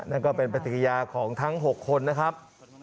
นั่นก็เป็นปฏิกิยาของทั้ง๖คนนะครับ